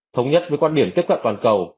thống nhất với quan điểm tiếp cận toàn cầu